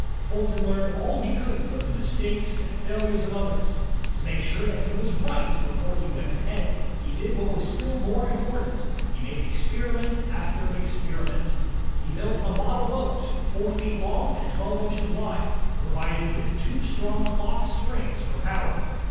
Fulton learned all he could from the mistakes and failures of others. To make sure that he was right before he went ahead, he did what was still more important, he made experiment after experiment. He built a model boat, four feet long and twelve inches wide, provided with two strong clock springs for power.